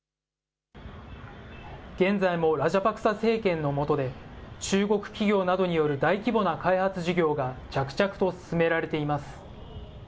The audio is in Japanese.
現在もラジャパクサ政権の下で、中国企業などによる大規模な開発事業が着々と進められています。